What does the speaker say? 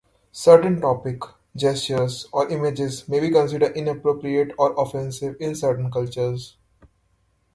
Certain topics, gestures, or images may be considered inappropriate or offensive in certain cultures.